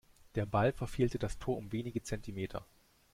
Der Ball verfehlte das Tor um wenige Zentimeter.